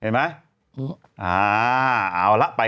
ดื่มน้ำก่อนสักนิดใช่ไหมคะคุณพี่